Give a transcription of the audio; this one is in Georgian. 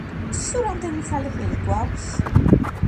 სულ რამდენი ცალი ხილი გვაქვს?